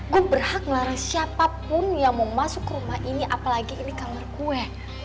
gue berhak ngelarang siapapun yang mau masuk ke rumah ini apalagi ini kamar gue